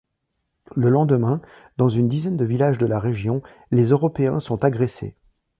Le lendemain, dans une dizaine de villages de la région, les Européens sont agressés.